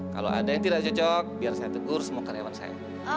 kalau ada yang tidak cocok biar saya tegur semua karyawan saya